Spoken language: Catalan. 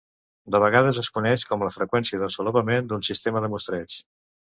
De vegades es coneix com la freqüència de solapament d'un sistema de mostreig.